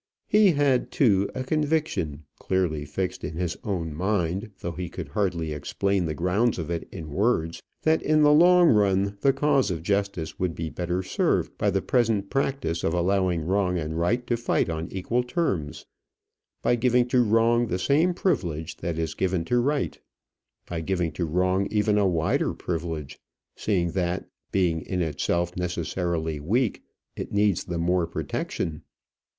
He had, too, a conviction, clearly fixed in his own mind, though he could hardly explain the grounds of it in words, that in the long run the cause of justice would be better served by the present practice of allowing wrong and right to fight on equal terms; by giving to wrong the same privilege that is given to right; by giving to wrong even a wider privilege, seeing that, being in itself necessarily weak, it needs the more protection.